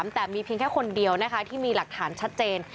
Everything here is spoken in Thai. แต่มีเพียงแค่คนเดียวนะคะที่มีหลักฐานชัดเจน